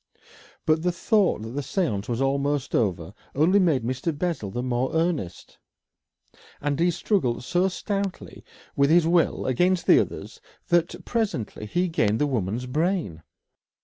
But the thought that the séance was almost over only made Mr. Bessel the more earnest, and he struggled so stoutly with his will against the others that presently he gained the woman's brain.